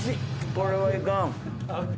これはいかん。